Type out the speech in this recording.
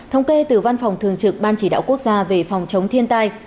thống kê từ văn phòng thường trực ban chỉ đạo quốc gia về phòng chống thiên tai